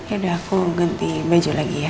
yaudah aku ganti baju lagi ya